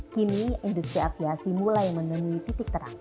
kini industri aviasi mulai menemui titik terang